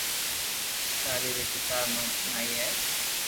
ڪالي ري پيتا رو نوم نائي ھي